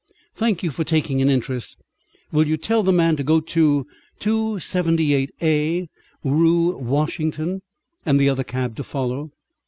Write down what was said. "Thank you for taking an interest. Will you tell the man to go to 278A Rue Washington, and the other cab to follow?"